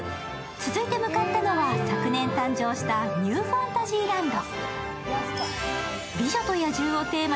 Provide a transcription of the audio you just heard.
続いて向かったのは、昨年誕生したニューファンタジーランド。